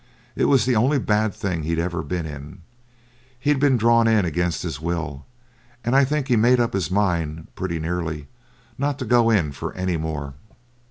It was the only bad thing he'd ever been in. He'd been drawn in against his will, and I think he had made up his mind pretty nearly not to go in for any more.